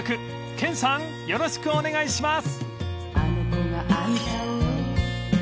［研さんよろしくお願いします］